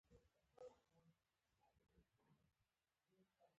زما د رخساره تاویدله، زمانه تیره ده